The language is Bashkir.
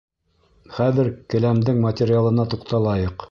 Хәҙер келәмдең материалына туҡталайыҡ.